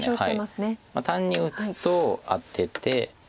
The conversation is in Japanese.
単に打つとアテて。